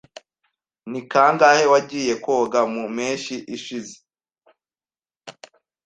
Ni kangahe wagiye koga mu mpeshyi ishize?